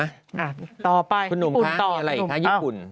อ่าต่อไปพี่หนูมคะพี่หนูมต่อนี่อะไรอีกคะญี่ปุ่น